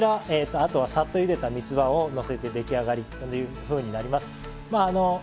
あとはサッとゆでたみつばをのせて出来上がりというふうになります。